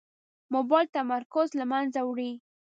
موبایل د تمرکز له منځه وړي.